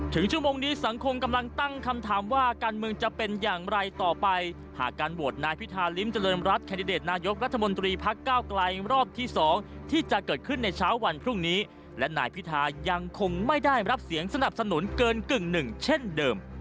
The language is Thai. ชั่วโมงนี้สังคมกำลังตั้งคำถามว่าการเมืองจะเป็นอย่างไรต่อไปหากการโหวตนายพิธาริมเจริญรัฐแคนดิเดตนายกรัฐมนตรีพักเก้าไกลรอบที่๒ที่จะเกิดขึ้นในเช้าวันพรุ่งนี้และนายพิทายังคงไม่ได้รับเสียงสนับสนุนเกินกึ่งหนึ่งเช่นเดิม